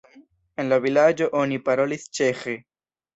En la vilaĝo oni parolis ĉeĥe.